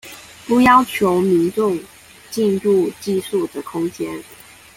不要求民眾進入技術的空間